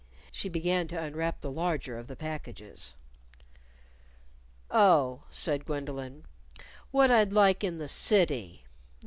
She began to unwrap the larger of the packages. "Oh," said Gwendolyn. "What I'd like in the city.